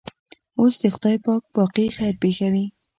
اوس دې خدای پاک باقي خیر پېښوي.